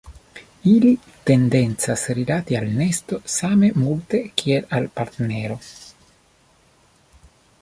Ili tendencas rilati al nesto same multe kiel al partnero.